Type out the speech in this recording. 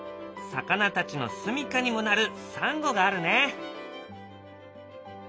魚たちのすみかにもなるサンゴがあるね。